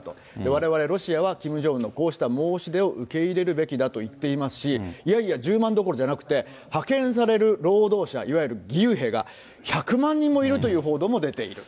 われわれロシアはキム・ジョンウンのこうした申し出を受け入れるべきだと言っていますし、いやいや１０万どころじゃなくて、派遣される労働者、いわゆる義勇兵が、１００万人もいるという報道も出ている。